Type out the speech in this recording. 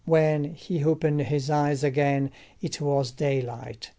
When he opened his eyes again it was daylight.